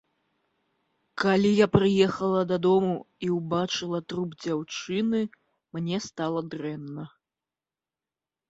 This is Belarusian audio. Калі я прыехала да дому і ўбачыла труп дзяўчыны, мне стала дрэнна.